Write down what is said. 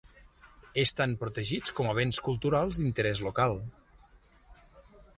Estan protegits com a béns culturals d'interès local.